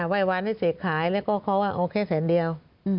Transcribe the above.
ไหว้วานให้เสกขายแล้วก็เขาว่าเอาแค่แสนเดียว